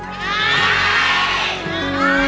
ใช่